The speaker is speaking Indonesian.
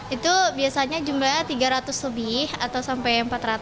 itu biasanya jumlahnya tiga ratus lebih atau sampai empat ratus